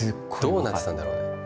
どうなってたんだろうね。